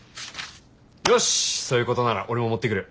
よしそういうことなら俺も持ってくる。